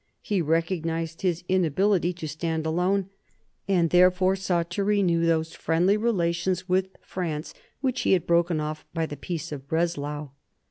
He recognised his inability to stand alone, and therefore sought to renew those friendly relations with France which he had broken off by the Peace of Breslau.